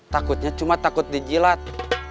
takutnya cuma takut dijilat